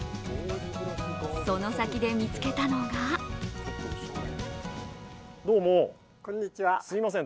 その先で見つけたのがどうも、すいません